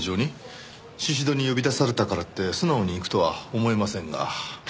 宍戸に呼び出されたからって素直に行くとは思えませんが。